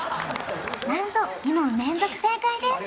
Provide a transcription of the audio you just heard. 何と２問連続正解です